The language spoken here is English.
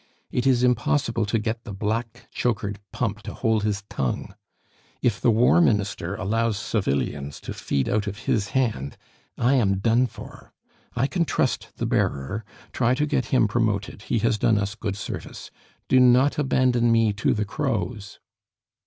It is impossible to get the black chokered pump to hold his tongue. If the War Minister allows civilians to feed out of his hand, I am done for. I can trust the bearer; try to get him promoted; he has done us good service. Do not abandon me to the crows!"